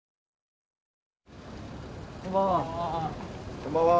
こんばんは。